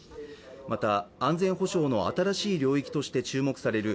また、安全保障の新しい領域として注目される